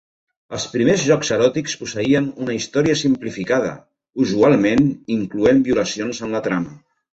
Els primers jocs eròtics posseïen una història simplificada, usualment incloent violacions en la trama.